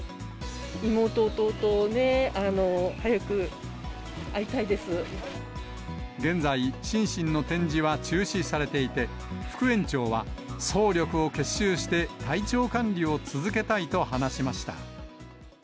妹、現在、シンシンの展示は中止されていて、副園長は、総力を結集して、体調管理を続けたいと話しました。